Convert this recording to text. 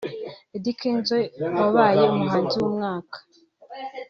Eddy Kenzo wabaye umuhanzi w'umwaka